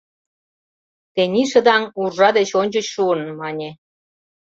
«Тений шыдаҥ уржа деч ончыч шуын, — мане.